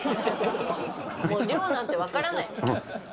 もう量なんて分からない。